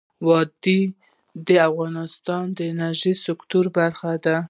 وادي د افغانستان د انرژۍ سکتور برخه ده.